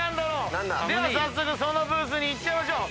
では早速そのブースに行っちゃいましょう。